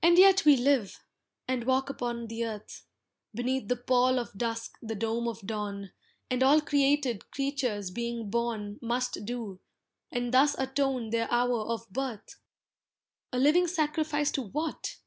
And yet we live, and walk upon the earth, Beneath the pall of dusk the dome of dawn, And all created creatures being born Must do, and thus atone their hour of birth, A living sacrifice to what!